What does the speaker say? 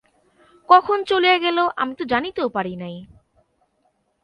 কখন চলিয়া গেল, আমি তো জানিতেও পারি নাই।